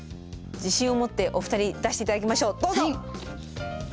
自信を持ってお二人出していただきましょうどうぞ！